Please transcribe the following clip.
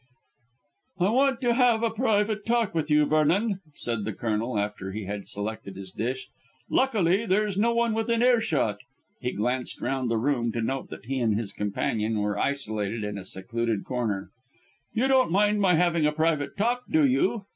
"I want to have a private talk with you, Vernon," said the Colonel, after he had selected his dish. "Luckily there's no one within earshot." He glanced round the room to note that he and his companion were isolated in a secluded corner. "You don't mind my having a private talk, do you?"